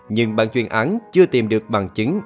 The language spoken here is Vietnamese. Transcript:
nhưng bàn chuyên án chưa tìm được bằng chứng